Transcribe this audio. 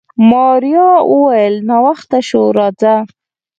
ماريا وويل ناوخته شو راځه.